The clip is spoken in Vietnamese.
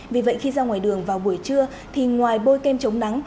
vì vậy khi ra ngoài đường vào buổi trưa thì ngoài bôi kem chống nắng